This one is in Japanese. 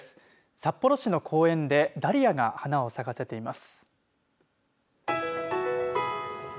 札幌市の公園でダリアが花を咲かせています。